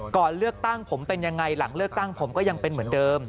ก่อนเลือกตั้งผมเป็นยังไงหลังเลือกตั้งผมก็ยังเป็นเหมือนเดิม